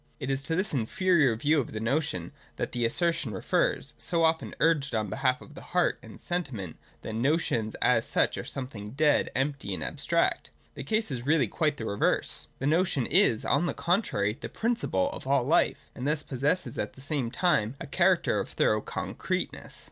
It is to this inferior view of the notion that the assertion refers, so often urged on behalf of the heart and sentiment, that notions as such are something dead, empty, and ab stract. The case is really quite the reverse. The notion is, on the contrary, the principle of all life, and thus possesses at the same time a character of thorough concreteness.